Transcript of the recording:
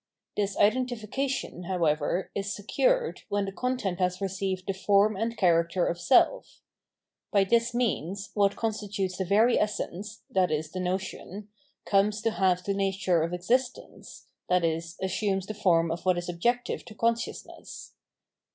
This identifica tion, however, is secured when the content has received the form and character of self. By this means, what constitutes the very essence, viz. the notion, comes to have the nature of existence, i.e. assumes the form of what is objective to consciousness.